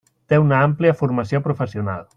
Té una àmplia formació professional.